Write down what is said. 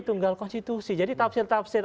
tunggal konstitusi jadi tafsir tafsir